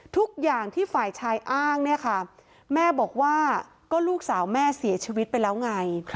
ทุกอย่างที่ฝ่ายชายอ้างเนี่ยค่ะแม่บอกว่าก็ลูกสาวแม่เสียชีวิตไปแล้วไง